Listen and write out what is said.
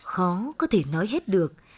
khó có thể nói hết được